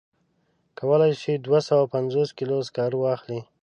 کولای شي دوه سوه پنځوس کیلو سکاره واخلي.